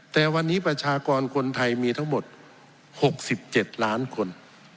แต่วันนี้ประชากรคนไทยมีทั้งหมด๖๗ล้านคน